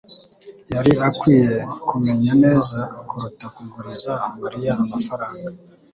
yari akwiye kumenya neza kuruta kuguriza Mariya amafaranga